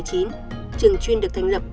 trường chuyên được thành lập